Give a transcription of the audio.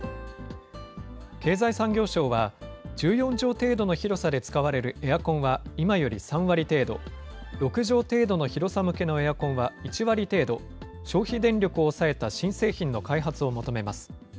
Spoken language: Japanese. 経済産業省は、１４畳程度の広さで使われるエアコンは今より３割程度、６畳程度の広さ向けのエアコンは１割程度、消費電力を抑えた新製品の開発を求めます。